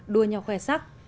đua nhau khoe sắc